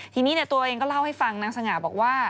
ทีนี้ตัวเองก็เล่าให้ฟังนางสง่าบอกว่า